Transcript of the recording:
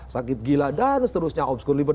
sakit gila dan seterusnya obscriber